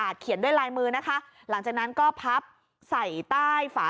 เขียนด้วยลายมือนะคะหลังจากนั้นก็พับใส่ใต้ฝา